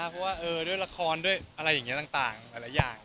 เพราะว่าด้วยละครด้วยอะไรอย่างนี้ต่างหลายอย่าง